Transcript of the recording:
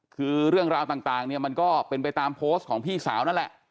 คือเรื่องราวต่างเนี่ยมันก็เป็นไปตามโพสต์ของพี่สาวนั่นแหละ